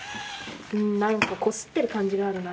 何かこすってる感じがあるな